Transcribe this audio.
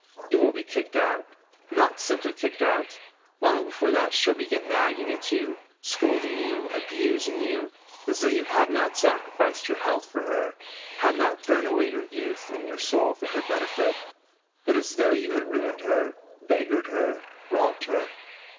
You will be kicked out. And not simply kicked out ; long before that she'll begin nagging at you, scolding you, abusing you, as though you had not sacrificed your health for her, had not thrown away your youth and your soul for her benefit, but as though you had ruined her, beggared her, robbed her.